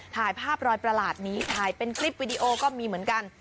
ถ่ายภาพรอยประหลาดนี้ถ่ายเป็นคลิปวิดีโอก็มีเหมือนกัน